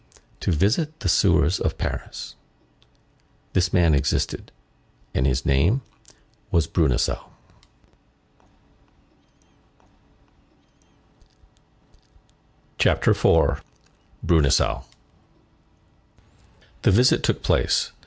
—"To visit the sewers of Paris." This man existed and his name was Bruneseau. CHAPTER IV The visit took place.